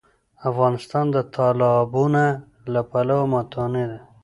افغانستان د تالابونه له پلوه متنوع دی.